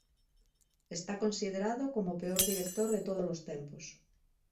Está considerado como o peor director de tódolos tempos.